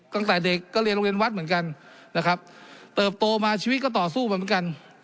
ตั้งแต่เด็กก็เรียนโรงเรียนวัดเหมือนกันนะครับเติบโตมาชีวิตก็ต่อสู้ไปเหมือนกัน